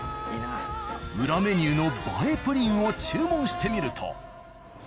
裏メニューの映えプリンを注文してみると。